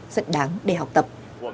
rất đáng để học tập